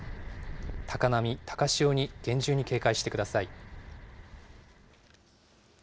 高波、高潮に厳重に警戒してください。